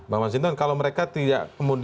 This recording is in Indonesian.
pak mas jendong kalau mereka tidak